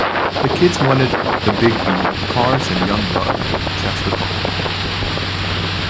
"The kids wanted the big beat, cars and young love," Chess recalled.